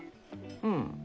うん。